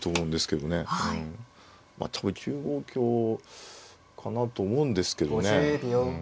多分９五香かなと思うんですけどね。